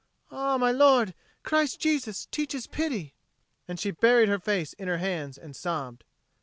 Ah, my lord, Christ Jesus teaches pity!" And she buried her face in her hands and sobbed.